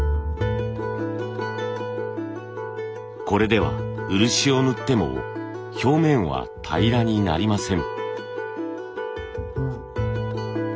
これでは漆を塗っても表面は平らになりません。